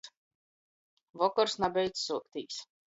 Vokors nabeidz suoktīs.